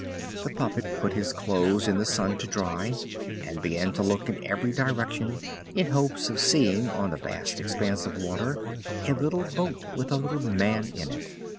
The puppet put his clothes in the sun to dry and began to look in every direction in hopes of seeing on the vast expanse of water a little boat with a little man in it.